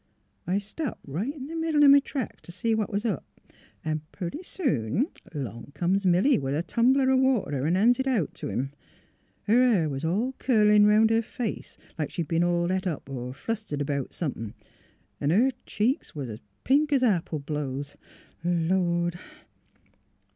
I stopped right in th' middle o' m' tracks t' see what was up. An ' purty soon 'long comes Milly with a tumbler o' water an' ban's it out t' him. Her hair was all curlin' 'round her face, like she'd b'en all bet up or flustered 'bout somethin', 'n' her cheeks was pink es apple blows. ... Lord!